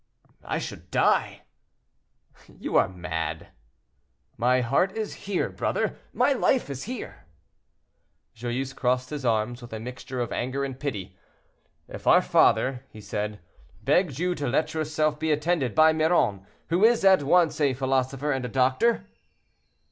"I should die." "You are mad." "My heart is here, brother; my life is here." Joyeuse crossed his arms with a mixture of anger and pity. "If our father," he said, "begged you to let yourself be attended by Miron, who is at once a philosopher and a doctor?"